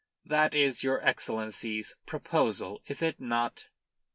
That is your Excellency's proposal, is it not?"